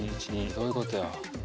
どういうことや。